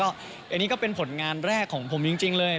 อันนี้ก็เป็นผลงานแรกของผมจริงเลย